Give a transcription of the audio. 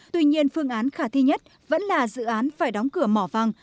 tuy nhiên phương án khả thi nhất vẫn là dự án phải đóng cửa mỏ vàng